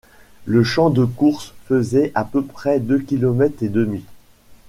Le champ de courses faisait à peu près deux kilomètres et demi.